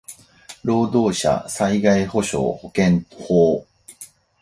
労働者災害補償保険法